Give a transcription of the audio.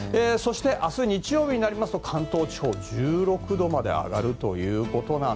そして、明日日曜日になりますと関東地方、１６度まで上がると。